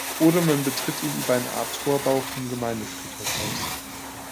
Oder man betritt ihn über eine Art Torbau vom Gemeindefriedhof aus.